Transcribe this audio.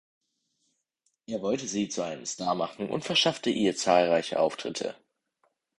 Er wollte sie zu einem Star machen und verschaffte ihr zahlreiche Auftritte.